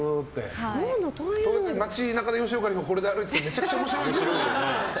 街中で吉岡里帆がこれで歩いていたらめちゃくちゃ面白いですけど。